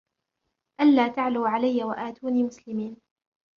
ألا تعلوا علي وأتوني مسلمين